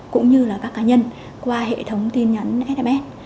cũng như là các cá nhân qua hệ thống tin nhắn sms